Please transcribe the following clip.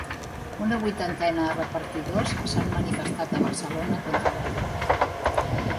Una vuitantena de repartidors s’han manifestat a Barcelona contra la llei.